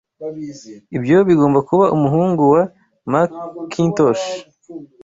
Ibyo bigomba kuba umuhungu wa Mackintosh.